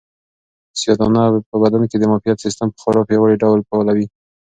سیاه دانه په بدن کې د معافیت سیسټم په خورا پیاوړي ډول فعالوي.